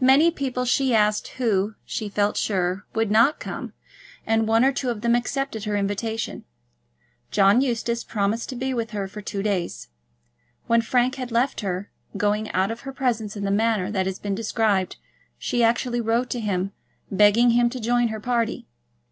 Many people she asked who, she felt sure, would not come, and one or two of them accepted her invitation. John Eustace promised to be with her for two days. When Frank had left her, going out of her presence in the manner that has been described, she actually wrote to him, begging him to join her party.